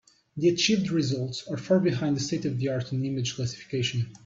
The achieved results are far behind the state-of-the-art in image classification.